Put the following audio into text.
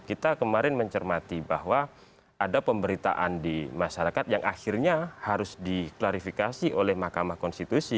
kita kemarin mencermati bahwa ada pemberitaan di masyarakat yang akhirnya harus diklarifikasi oleh mahkamah konstitusi